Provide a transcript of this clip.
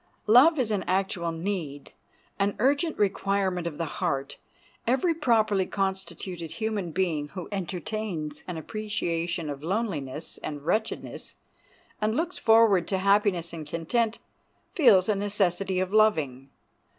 Love is an actual need, an urgent requirement of the heart. Every properly constituted human being who entertains an appreciation of loneliness and wretchedness, and looks forward to happiness and content, feels a necessity of loving.